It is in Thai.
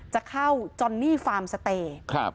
จะเข้าจอนนี่ฟาร์มสเตย์